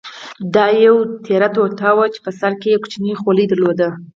دا یوه تېره ټوټه وه چې په سر کې یې یو کوچنی خولۍ درلوده.